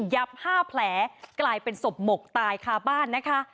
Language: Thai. ๕แผลกลายเป็นศพหมกตายคาบ้านนะคะ